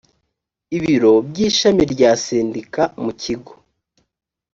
ibiro by ishami rya sendika mu kigo